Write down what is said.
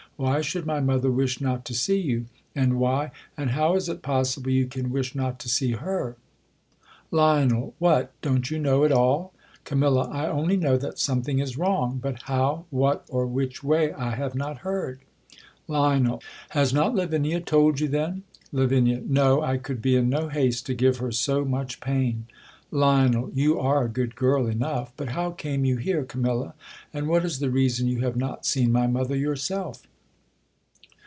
Why should my mother wish not to see you ? And why — and how is it possible you can wish not to see her ?. Lion. What, don't you know it all ? Cam. I only know that something is wrong ; but how, what, or which way, I have not heard. Lion, Has not Lavinia told you, then ? Lav. No ; I could be in no haste to give her s# much pain. Lio?i. You are a good girl enough. But how came you" here, Camilla ? and what is the reason you have rjot seen my mother yourself?